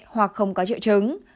hoặc không có triệu chứng